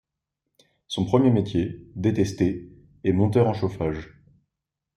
Son premier métier, détesté, est monteur en chauffage.